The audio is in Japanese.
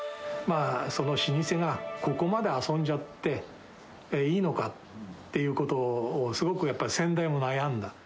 老舗がここまで遊んじゃっていいのかっていうことを、すごくやっぱり、先代も悩んだ。